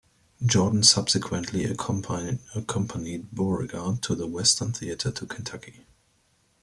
Jordan subsequently accompanied Beauregard to the Western Theater to Kentucky.